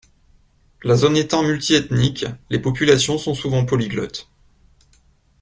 La zone étant multiethniques, les populations sont souvent polyglottes.